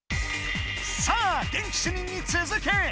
さあ元気主任につづけ！